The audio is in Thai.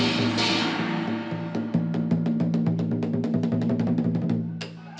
เสาคำยันอาวุธิ